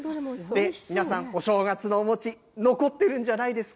皆さん、お正月のお餅、残ってるんじゃないですか。